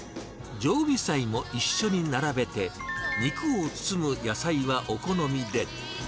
常備菜も一緒に並べて、肉を包む野菜はお好みで。